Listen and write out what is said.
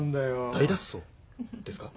『大脱走』ですか？